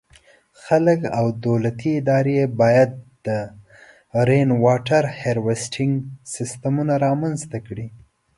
خلک او دولتي ادارې باید د “Rainwater Harvesting” سیسټمونه رامنځته کړي.